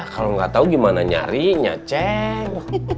kalau gak tau gimana nyarinya ceng